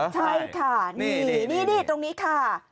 ใช่ค่ะนี่ตรงนี้ค่ะ